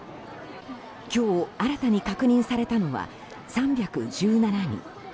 今日、新たに確認されたのは３１７人。